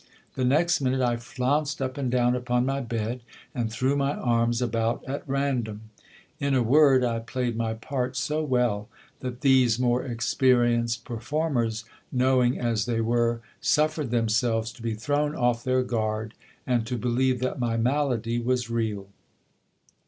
The next minute I flounced up and down upon my bed, and threw my arms about at random. In a word, I played my part so well that these more experienced performers, knowing as they were, suffered themselves to be thrown off their guard, and to believe that my malady was real.